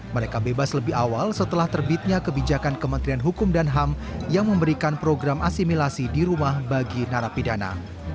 mereka bebas lebih awal setelah terbitnya kebijakan kementerian hukum dan ham yang memberikan program asimilasi di rumah bagi narapidana